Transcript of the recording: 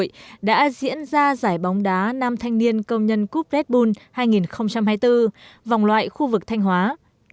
đội vô địch khu vực sẽ lọt vào vòng chung kết toàn quốc giải bóng đá thanh niên công nhân cúp red bull năm hai nghìn hai mươi bốn được tổ chức cuối tháng năm tại thành phố hải phòng